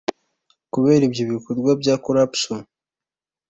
Kubera ibyo bikorwa bya corruption